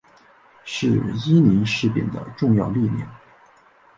是伊宁事变的重要力量。